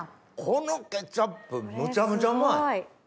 このケチャップむちゃむちゃうまい！